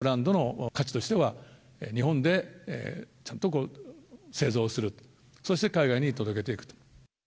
日本発のジャパニーズブランドの価値としては、日本でちゃんと製造する、そして海外に届けていくと。